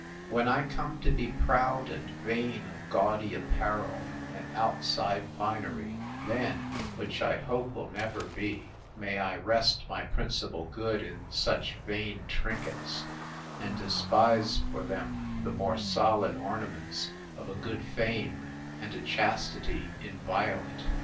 When I come to be proud and vain of gaudy apparel, and outside finery, then (which I hope will never be) may I rest my principal good in such vain trinkets, and despise for them the more solid ornaments of a good fame, and a chastity inviolate!